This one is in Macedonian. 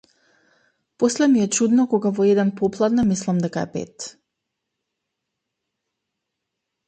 После ми е чудно кога во еден попладне мислам дека е пет.